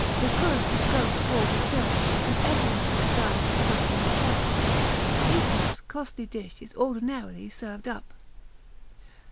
Lucullus' ghost walks still, and every man desires to sup in Apollo; Aesop's costly dish is ordinarily served up.